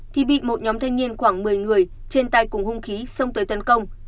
thì bị một nhóm thanh niên khoảng một mươi người trên tay cùng hung khí xông tới tấn công